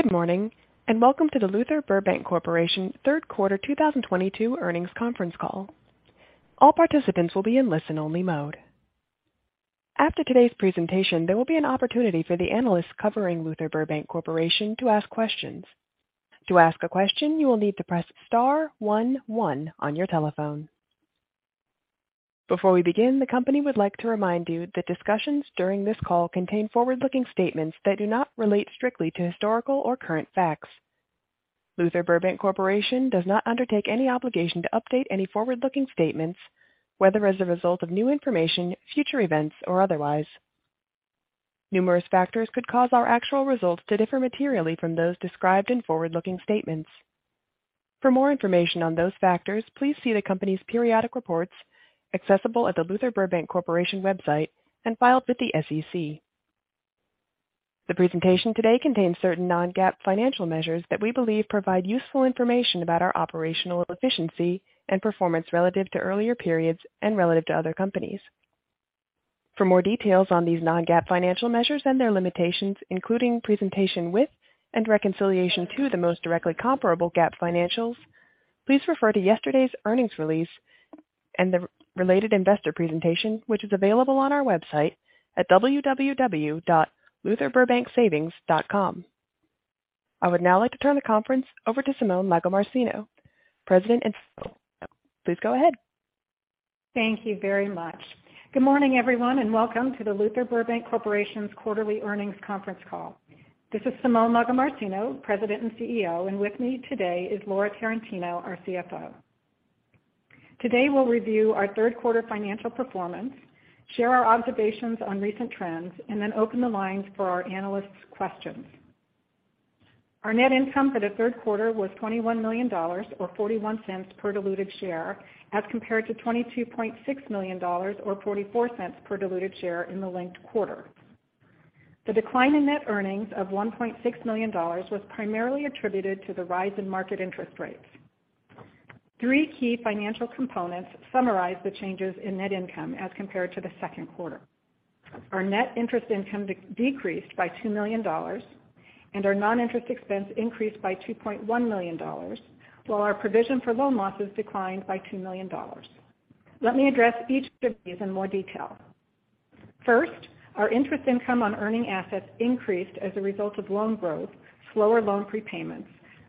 Good morning, and welcome to the Luther Burbank Corporation third quarter 2022 earnings conference call. All participants will be in listen-only mode. After today's presentation, there will be an opportunity for the analysts covering Luther Burbank Corporation to ask questions. To ask a question, you will need to press star one one on your telephone. Before we begin, the company would like to remind you that discussions during this call contain forward-looking statements that do not relate strictly to historical or current facts. Luther Burbank Corporation does not undertake any obligation to update any forward-looking statements, whether as a result of new information, future events or otherwise. Numerous factors could cause our actual results to differ materially from those described in forward-looking statements. For more information on those factors, please see the company's periodic reports accessible at the Luther Burbank Corporation website and filed with the SEC. The presentation today contains certain non-GAAP financial measures that we believe provide useful information about our operational efficiency and performance relative to earlier periods and relative to other companies. For more details on these non-GAAP financial measures and their limitations, including presentation with and reconciliation to the most directly comparable GAAP financials, please refer to yesterday's earnings release and the related investor presentation, which is available on our website at www.lutherburbanksavings.com. I would now like to turn the conference over to Simone Lagomarsino, President and CEO. Please go ahead. Thank you very much. Good morning, everyone, and welcome to the Luther Burbank Corporation's quarterly earnings conference call. This is Simone Lagomarsino, President and CEO, and with me today is Laura Tarantino, our CFO. Today we'll review our third quarter financial performance, share our observations on recent trends, and then open the lines for our analysts' questions. Our net income for the third quarter was $21 million or $0.41 per diluted share as compared to $22.6 million or $0.44 per diluted share in the linked quarter. The decline in net earnings of $1.6 million was primarily attributed to the rise in market interest rates. Three key financial components summarize the changes in net income as compared to the second quarter. Our net interest income decreased by $2 million and our non-interest expense increased by $2.1 million, while our provision for loan losses declined by $2 million. Let me address each of these in more detail. First, our interest income on earning assets increased as a result of loan growth, slower loan prepayments,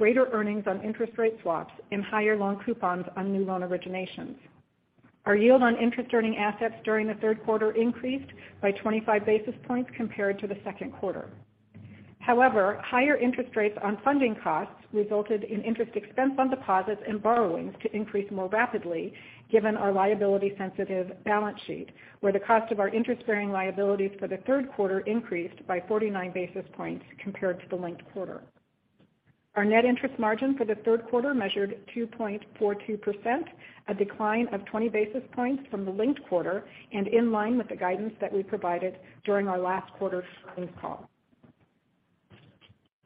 greater earnings on interest rate swaps and higher loan coupons on new loan originations. Our yield on interest earning assets during the third quarter increased by 25 basis points compared to the second quarter. However, higher interest rates on funding costs resulted in interest expense on deposits and borrowings to increase more rapidly given our liability sensitive balance sheet, where the cost of our interest bearing liabilities for the third quarter increased by 49 basis points compared to the linked quarter. Our net interest margin for the third quarter measured 2.42%, a decline of 20 basis points from the linked quarter and in line with the guidance that we provided during our last quarter's earnings call.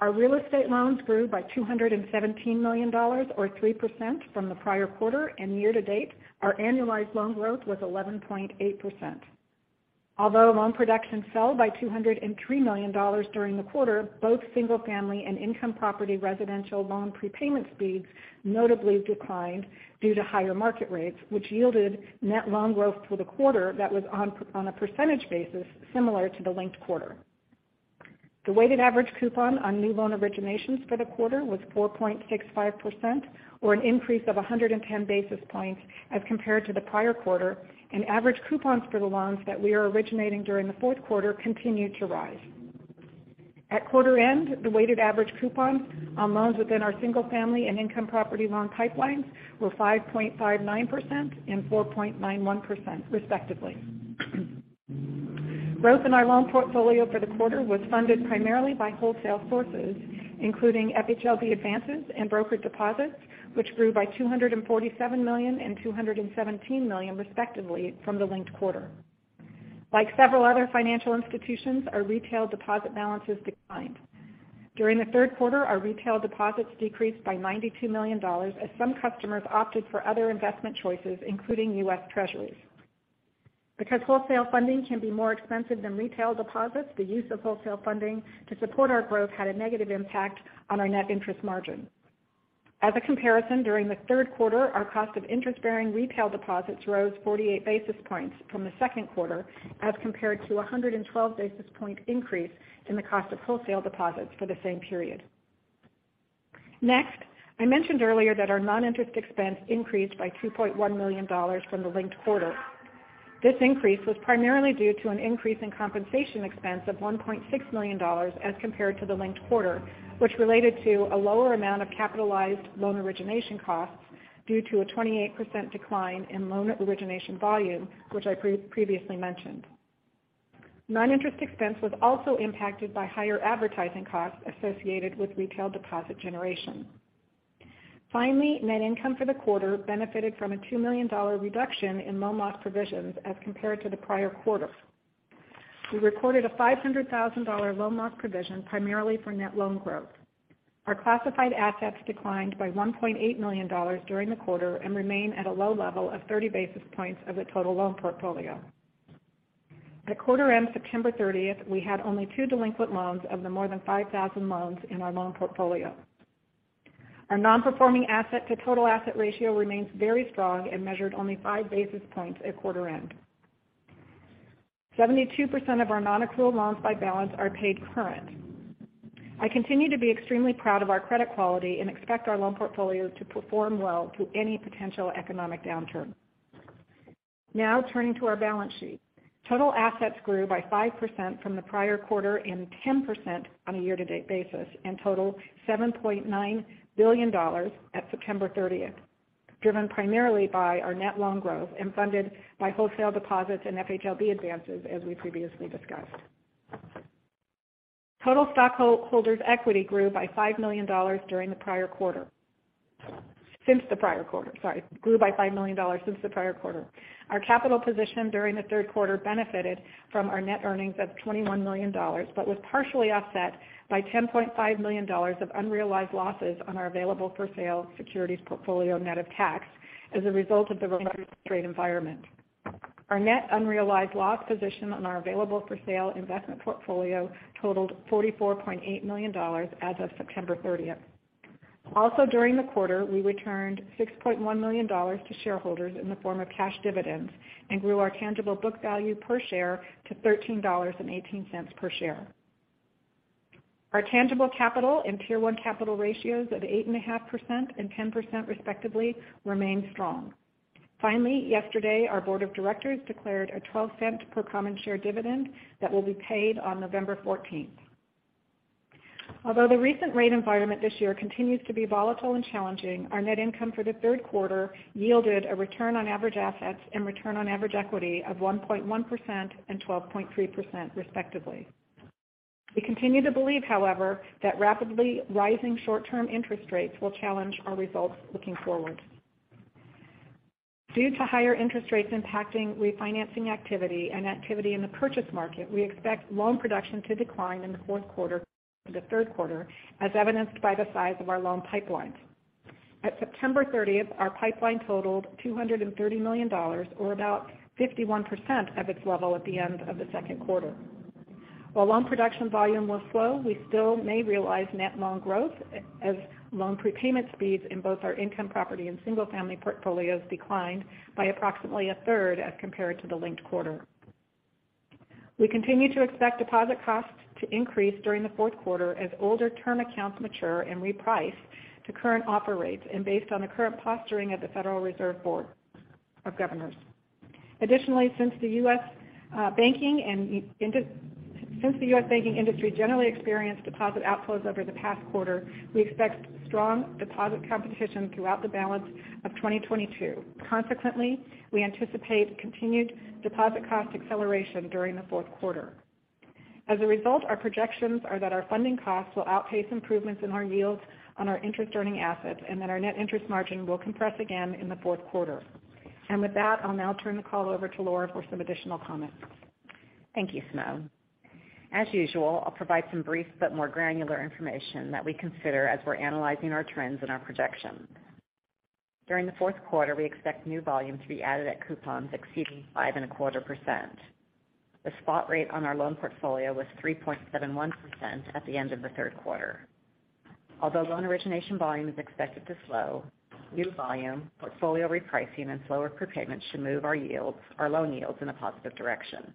Our real estate loans grew by $217 million or 3% from the prior quarter. Year to date, our annualized loan growth was 11.8%. Although loan production fell by $203 million during the quarter, both single family and income property residential loan prepayment speeds notably declined due to higher market rates, which yielded net loan growth for the quarter that was on a percentage basis similar to the linked quarter. The weighted average coupon on new loan originations for the quarter was 4.65%, or an increase of 110 basis points as compared to the prior quarter. Average coupons for the loans that we are originating during the fourth quarter continued to rise. At quarter end, the weighted average coupon on loans within our single family and income property loan pipelines were 5.59% and 4.91% respectively. Growth in our loan portfolio for the quarter was funded primarily by wholesale sources, including FHLB advances and brokered deposits, which grew by $247 million and $217 million, respectively, from the linked quarter. Like several other financial institutions, our retail deposit balances declined. During the third quarter, our retail deposits decreased by $92 million as some customers opted for other investment choices, including U.S. Treasuries. Because wholesale funding can be more expensive than retail deposits, the use of wholesale funding to support our growth had a negative impact on our net interest margin. As a comparison, during the third quarter, our cost of interest bearing retail deposits rose 48 basis points from the second quarter as compared to a 112 basis point increase in the cost of wholesale deposits for the same period. Next, I mentioned earlier that our non-interest expense increased by $2.1 million from the linked quarter. This increase was primarily due to an increase in compensation expense of $1.6 million as compared to the linked quarter, which related to a lower amount of capitalized loan origination costs due to a 28% decline in loan origination volume, which I previously mentioned. Noninterest expense was also impacted by higher advertising costs associated with retail deposit generation. Finally, net income for the quarter benefited from a $2 million reduction in loan loss provisions as compared to the prior quarter. We recorded a $500,000 loan loss provision primarily for net loan growth. Our classified assets declined by $1.8 million during the quarter and remain at a low level of 30 basis points of the total loan portfolio. At quarter end, September 30th, we had only two delinquent loans of the more than 5,000 loans in our loan portfolio. Our non-performing asset to total asset ratio remains very strong and measured only 5 basis points at quarter end. 72% of our non-accrual loans by balance are paid current. I continue to be extremely proud of our credit quality and expect our loan portfolio to perform well through any potential economic downturn. Now turning to our balance sheet. Total assets grew by 5% from the prior quarter and 10% on a year-to-date basis and totaled $7.9 billion at September 30th, driven primarily by our net loan growth and funded by wholesale deposits and FHLB advances, as we previously discussed. Total stockholders' equity grew by $5 million since the prior quarter. Our capital position during the third quarter benefited from our net earnings of $21 million, but was partially offset by $10.5 million of unrealized losses on our available for sale securities portfolio net of tax as a result of the rate environment. Our net unrealized loss position on our available for sale investment portfolio totaled $44.8 million as of September 30th. During the quarter, we returned $6.1 million to shareholders in the form of cash dividends and grew our tangible book value per share to $13.18 per share. Our tangible capital and Tier 1 capital ratios of 8.5% and 10% respectively remain strong. Yesterday, our board of directors declared a $0.12 per common share dividend that will be paid on November 14th. Although the recent rate environment this year continues to be volatile and challenging, our net income for the third quarter yielded a return on average assets and return on average equity of 1.1% and 12.3%, respectively. We continue to believe, however, that rapidly rising short-term interest rates will challenge our results looking forward. Due to higher interest rates impacting refinancing activity and activity in the purchase market, we expect loan production to decline in the fourth quarter from the third quarter, as evidenced by the size of our loan pipelines. At September 30th, our pipeline totaled $230 million, or about 51% of its level at the end of the second quarter. While loan production volume was slow, we still may realize net loan growth as loan prepayment speeds in both our income property and single-family portfolios declined by approximately a third as compared to the linked quarter. We continue to expect deposit costs to increase during the fourth quarter as older term accounts mature and reprice to current offer rates and based on the current posturing of the Federal Reserve Board of Governors. Additionally, since the U.S. banking industry generally experienced deposit outflows over the past quarter, we expect strong deposit competition throughout the balance of 2022. Consequently, we anticipate continued deposit cost acceleration during the fourth quarter. As a result, our projections are that our funding costs will outpace improvements in our yields on our interest-earning assets, and that our net interest margin will compress again in the fourth quarter. With that, I'll now turn the call over to Laura for some additional comments. Thank you, Simone. As usual, I'll provide some brief but more granular information that we consider as we're analyzing our trends and our projections. During the fourth quarter, we expect new volume to be added at coupons exceeding 5.25%. The spot rate on our loan portfolio was 3.71% at the end of the third quarter. Although loan origination volume is expected to slow, new volume, portfolio repricing, and slower prepayment should move our yields, our loan yields in a positive direction.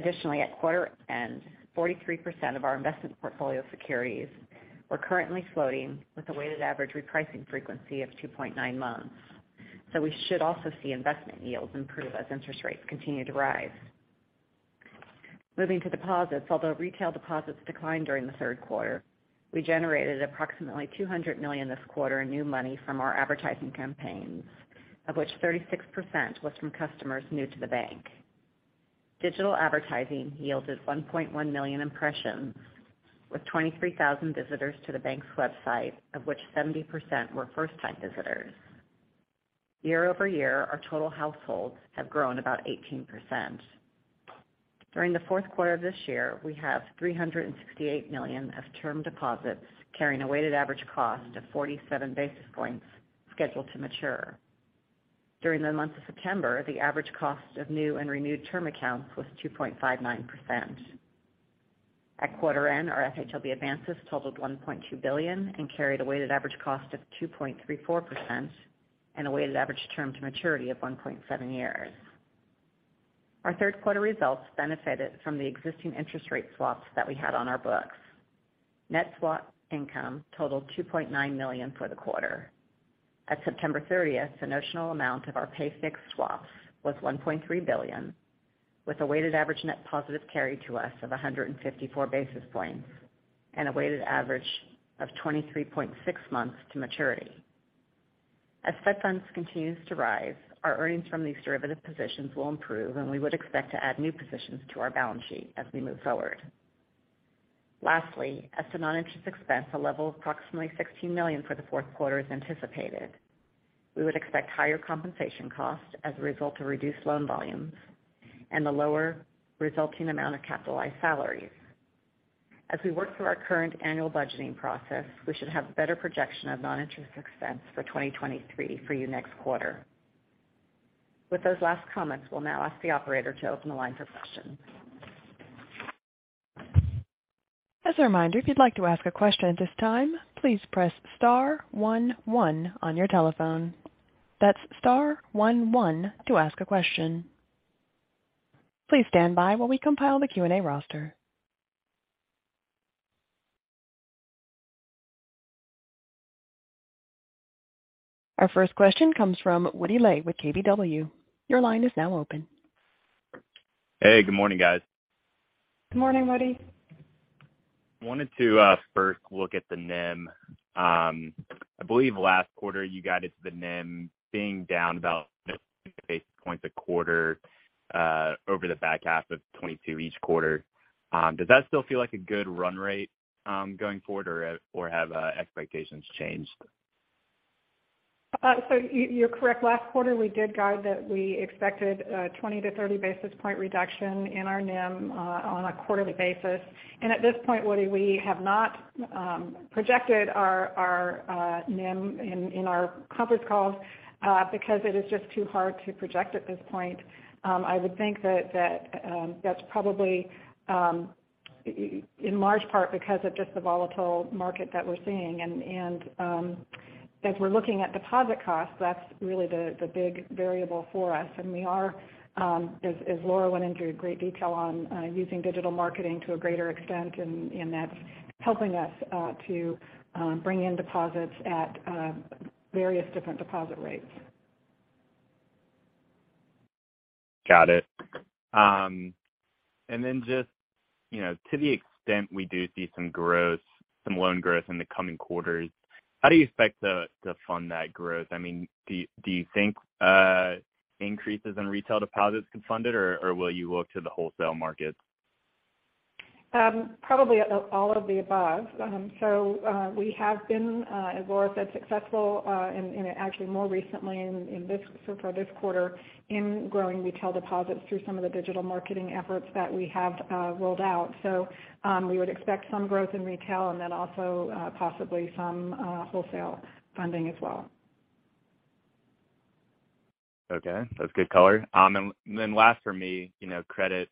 Additionally, at quarter end, 43% of our investment portfolio securities were currently floating with a weighted average repricing frequency of two point nine months. We should also see investment yields improve as interest rates continue to rise. Moving to deposits, although retail deposits declined during the third quarter, we generated approximately $200 million this quarter in new money from our advertising campaigns, of which 36% was from customers new to the bank. Digital advertising yielded 1.1 million impressions, with 23,000 visitors to the bank's website, of which 70% were first-time visitors. Year-over-year, our total households have grown about 18%. During the fourth quarter of this year, we have $368 million of term deposits carrying a weighted average cost of 47 basis points scheduled to mature. During the month of September, the average cost of new and renewed term accounts was 2.59%. At quarter end, our FHLB advances totaled $1.2 billion and carried a weighted average cost of 2.34% and a weighted average term to maturity of one point seven years. Our third quarter results benefited from the existing interest rate swaps that we had on our books. Net swap income totaled $2.9 million for the quarter. At September 30th, the notional amount of our pay-fixed swaps was $1.3 billion, with a weighted average net positive carry to us of 154 basis points and a weighted average of 23.6 months to maturity. As federal funds continues to rise, our earnings from these derivative positions will improve, and we would expect to add new positions to our balance sheet as we move forward. Lastly, as to non-interest expense, a level of approximately $16 million for the fourth quarter is anticipated. We would expect higher compensation costs as a result of reduced loan volumes and the lower resulting amount of capitalized salaries. As we work through our current annual budgeting process, we should have a better projection of non-interest expense for 2023 for you next quarter. With those last comments, we'll now ask the operator to open the line for questions. As a reminder, if you'd like to ask a question at this time, please press star one one on your telephone. That's star one one to ask a question. Please stand by while we compile the Q&A roster. Our first question comes from Woody Lay with KBW. Your line is now open. Hey, good morning, guys. Good morning, Woody. Wanted to first look at the NIM. I believe last quarter you guided the NIM being down about 50 basis points a quarter, over the back half of 2022 each quarter. Does that still feel like a good run rate, going forward, or have expectations changed? You're correct. Last quarter, we did guide that we expected a 20-30 basis point reduction in our NIM on a quarterly basis. At this point, Woody, we have not projected our NIM in our conference calls because it is just too hard to project at this point. I would think that that's probably in large part because of just the volatile market that we're seeing. As we're looking at deposit costs, that's really the big variable for us. We are as Laura went into great detail on using digital marketing to a greater extent, and that's helping us to bring in deposits at various different deposit rates. Got it. Just, you know, to the extent we do see some growth, some loan growth in the coming quarters, how do you expect to fund that growth? I mean, do you think increases in retail deposits could fund it, or will you look to the wholesale markets? Probably all of the above. We have been, as Laura said, successful in actually more recently in this for this quarter in growing retail deposits through some of the digital marketing efforts that we have rolled out. We would expect some growth in retail and then also possibly some wholesale funding as well. Okay. That's good color. Last for me, you know, credit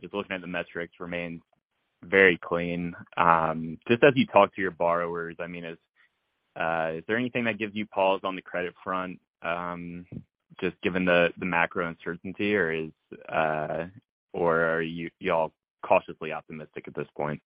just looking at the metrics remains very clean. Just as you talk to your borrowers, I mean, is there anything that gives you pause on the credit front, just given the macro uncertainty, or are y'all cautiously optimistic at this point?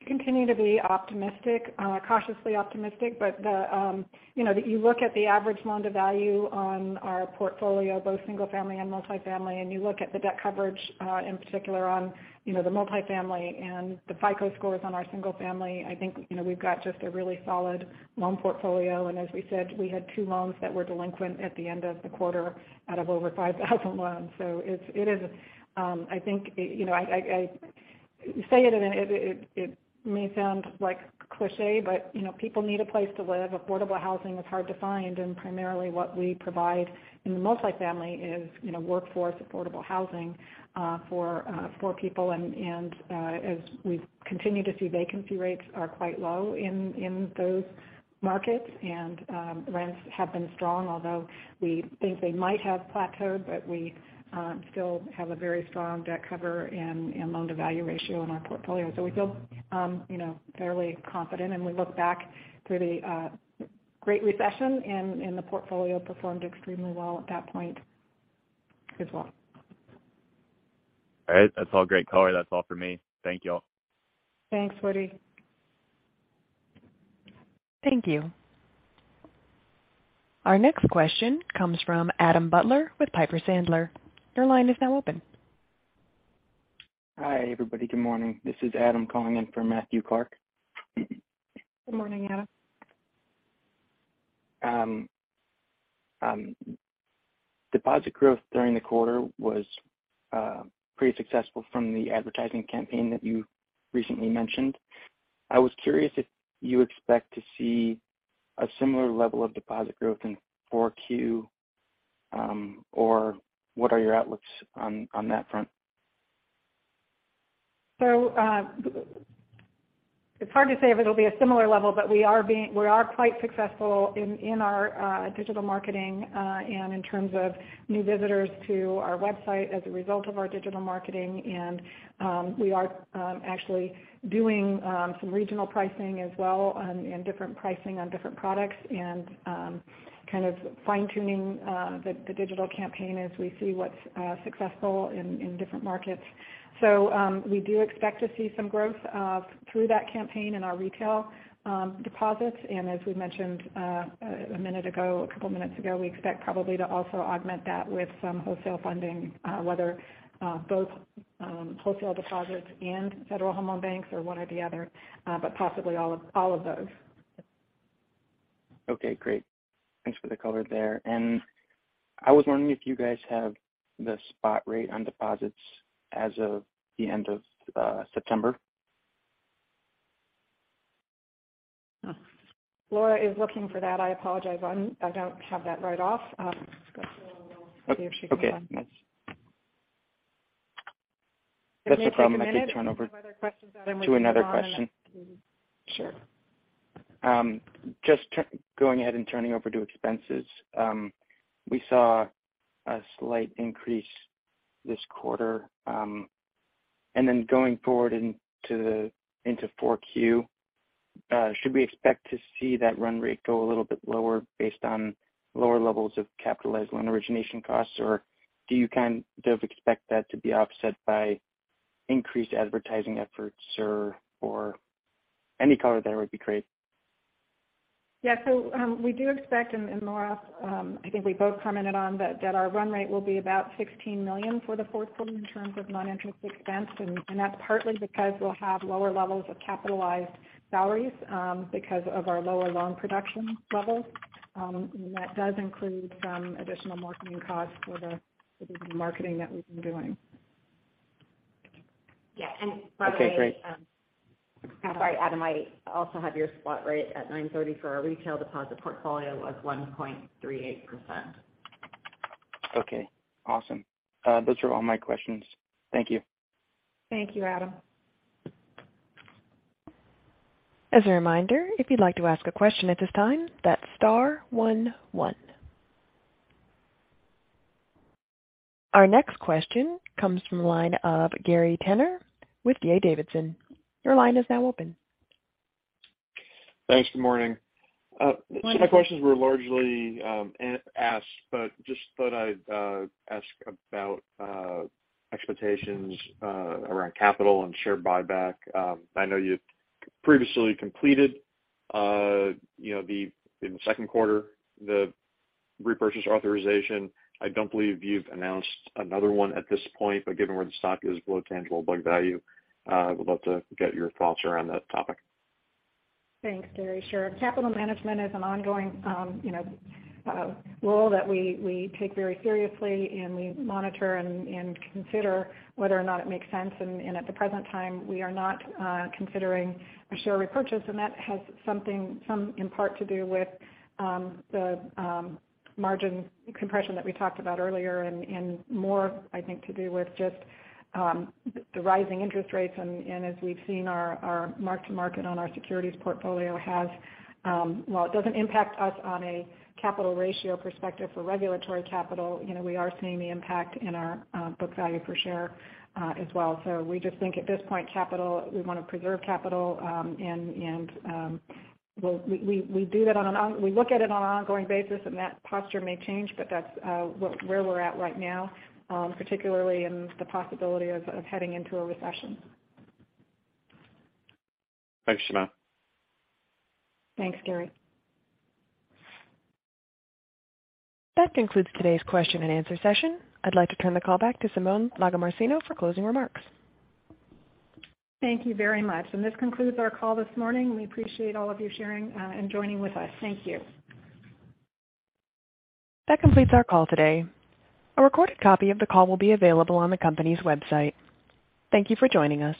We continue to be optimistic, cautiously optimistic. The you know, you look at the average loan-to-value on our portfolio, both single family and multifamily, and you look at the debt coverage in particular on you know, the multifamily and the FICO scores on our single family. I think you know, we've got just a really solid loan portfolio. As we said, we had two loans that were delinquent at the end of the quarter out of over 5,000 loans. It's I think you know, I say it, and it may sound like cliché, but you know, people need a place to live. Affordable housing is hard to find. Primarily what we provide in the multifamily is you know, workforce affordable housing for people. As we continue to see, vacancy rates are quite low in those markets. Rents have been strong, although we think they might have plateaued, but we still have a very strong debt coverage and loan-to-value ratio in our portfolio. We feel you know fairly confident. We look back through the Great Recession and the portfolio performed extremely well at that point as well. All right. That's all great color. That's all for me. Thank you all. Thanks, Woody. Thank you. Our next question comes from Adam Butler with Piper Sandler. Your line is now open. Hi, everybody. Good morning. This is Adam calling in for Matthew Clark. Good morning, Adam. Deposit growth during the quarter was pretty successful from the advertising campaign that you recently mentioned. I was curious if you expect to see a similar level of deposit growth in 4Q, or what are your outlooks on that front? It's hard to say if it'll be a similar level, but we are quite successful in our digital marketing and in terms of new visitors to our website as a result of our digital marketing. We are actually doing some regional pricing as well and different pricing on different products and kind of fine-tuning the digital campaign as we see what's successful in different markets. We do expect to see some growth through that campaign in our retail deposits. As we mentioned a minute ago, a couple minutes ago, we expect probably to also augment that with some wholesale funding, whether both wholesale deposits and Federal Home Loan Banks or one or the other, but possibly all of those. Okay, great. Thanks for the color there. I was wondering if you guys have the spot rate on deposits as of the end of September. Laura is looking for that. I apologize. I don't have that right off. Let's go to Laura and see if she can. Okay. That's no problem. It may take a minute. I can turn over. Do you have other questions, Adam? To another question. Sure. Going ahead and turning over to expenses. We saw a slight increase this quarter, and then going forward into Q4, should we expect to see that run rate go a little bit lower based on lower levels of capitalized loan origination costs? Or do you kind of expect that to be offset by increased advertising efforts, or any color there would be great? Yeah. We do expect, and Laura, I think we both commented on that our run rate will be about $16 million for the fourth quarter in terms of non-interest expense. That's partly because we'll have lower levels of capitalized salaries, because of our lower loan production levels. That does include some additional marketing costs for the digital marketing that we've been doing. Yeah. By the way, Okay, great. I'm sorry, Adam. I also have your spot rate at 9.30 for our retail deposit portfolio of 1.38%. Okay, awesome. Those are all my questions. Thank you. Thank you, Adam. As a reminder, if you'd like to ask a question at this time, that's star one one. Our next question comes from the line of Gary Tenner with D.A. Davidson. Your line is now open. Thanks. Good morning. Good morning. My questions were largely unasked, but just thought I'd ask about expectations around capital and share buyback. I know you previously completed, you know, the repurchase authorization in the second quarter. I don't believe you've announced another one at this point, but given where the stock is below tangible book value, I would love to get your thoughts around that topic. Thanks, Gary. Sure. Capital management is an ongoing, you know, role that we take very seriously and we monitor and consider whether or not it makes sense. At the present time, we are not considering a share repurchase, and that has something in part to do with the margin compression that we talked about earlier and more, I think, to do with just the rising interest rates and as we've seen our mark-to-market on our securities portfolio has, while it doesn't impact us on a capital ratio perspective for regulatory capital, you know, we are seeing the impact in our book value per share as well. We just think at this point capital, we wanna preserve capital, and we do that, we look at it on an ongoing basis, and that posture may change, but that's where we're at right now, particularly in the possibility of heading into a recession. Thanks, Simone. Thanks, Gary. That concludes today's question and answer session. I'd like to turn the call back to Simone Lagomarsino for closing remarks. Thank you very much. This concludes our call this morning. We appreciate all of you sharing and joining with us. Thank you. That completes our call today. A recorded copy of the call will be available on the company's website. Thank you for joining us.